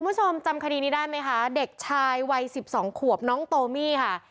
คุณผู้ชมจำคดีนี้ได้ไหมคะเด็กชายวัย๑๒ขวบน้องโตมี่ค่ะ